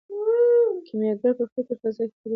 کیمیاګر په فکري فضا کې بدلون راوست.